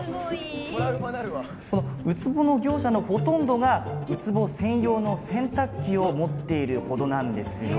ウツボの業者のほとんどがウツボ専用の洗濯機を持っているほどなんですよ。